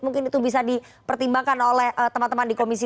mungkin itu bisa dipertimbangkan oleh teman teman di komisi tiga